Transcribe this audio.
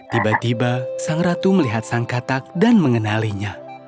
tiba tiba sang ratu melihat sang katak dan mengenalinya